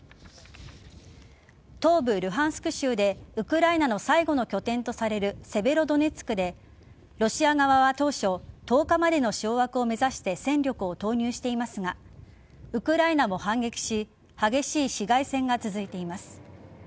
東部・ルハンスク州でウクライナの最後の拠点とされるセベロドネツクでロシア側は当初１０日までの掌握を目指して戦力を投入していますがウクライナも反撃し激しい市街戦が続いています。